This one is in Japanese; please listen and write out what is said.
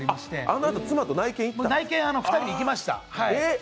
あのあと内見に２人で行きました。